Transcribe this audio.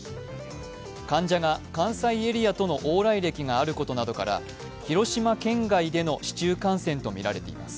患者が関西エリアとの往来歴があることから広島県外での市中感染とみられています。